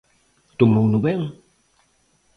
Tomouno ben?